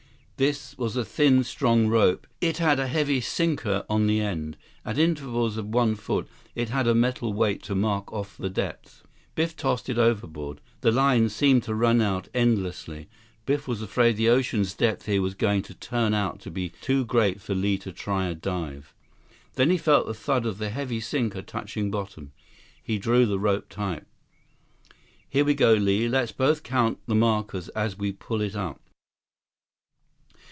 This was a thin, strong rope. It had a heavy sinker on the end. At intervals of one foot, it had a metal weight to mark off the depth. Biff tossed it overboard. The line seemed to run out endlessly. Biff was afraid the ocean's depth here was going to turn out to be too great for Li to try a dive. Then he felt the thud of the heavy sinker touching bottom. He drew the rope tight. "Here we go. Let's both count the markers as we pull it up."